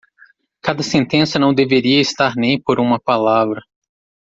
Cada sentença não deveria estar nem por uma palavra.